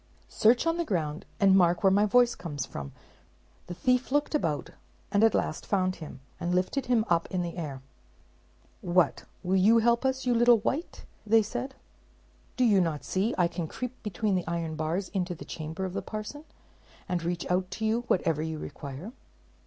"Search on the ground, and mark where my voice comes from," replied he. The thief looked about, and at last found him; and lifted him up in the air. "What, will you help us, you little wight?" said they. "Do you not see I can creep between the iron bars into the chamber of the parson, and reach out to you whatever you require?"